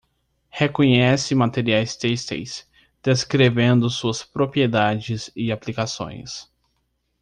Reconhece materiais têxteis, descrevendo suas propriedades e aplicações.